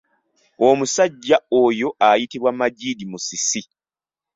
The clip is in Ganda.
Omusajja oyo ayitibwa Magid Musisi.